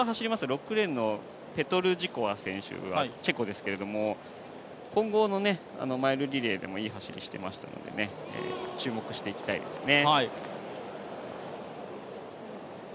６レーンのペトルジコワ選手はチェコですけど、混合のマイルリレーでもいい走りをしていましたので、注目していきたいですね。